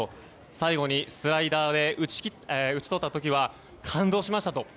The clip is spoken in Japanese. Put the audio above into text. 最後にスライダーで打ち取った時は感動しましたと。